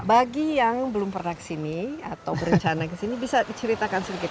bagi yang belum pernah ke sini atau berencana ke sini bisa diceritakan sedikit